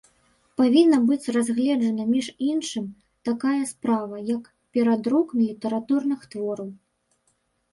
Павінна быць разгледжана, між іншым, такая справа, як перадрук літаратурных твораў.